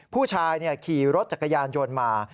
ผู้ชายคนนี้ขี่รถจักรยานยนต์มา